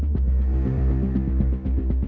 มันมีร่างกล่องอยู่นะ